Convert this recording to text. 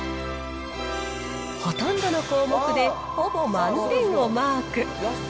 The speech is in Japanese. ほとんどの項目でほぼ満点をマーク。